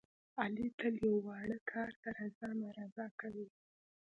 علي تل یوه واړه کار ته رضا نارضا کوي.